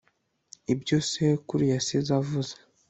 ibyo sekuru yasize avuze'